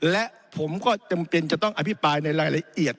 และผมก็จำเป็นจะต้องอภิปรายในรายละเอียด